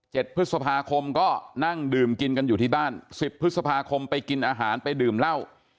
พฤษภาคมก็นั่งดื่มกินกันอยู่ที่บ้านสิบพฤษภาคมไปกินอาหารไปดื่มเหล้า